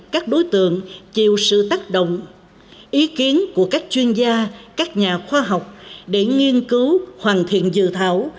các đối tượng chịu sự tác động ý kiến của các chuyên gia các nhà khoa học để nghiên cứu hoàn thiện dự thảo